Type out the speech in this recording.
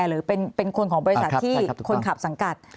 หรือเป็นคนของบริษัทที่คนขับสังกัด